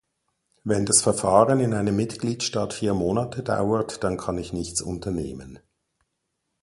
Wenn das Verfahren in einem Mitgliedstaat vier Monate dauert, dann kann ich nichts unternehmen.